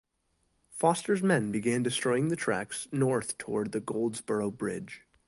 Foster's men began destroying the tracks north toward the Goldsborough Bridge.